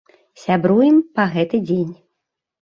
Сябруем па гэты дзень.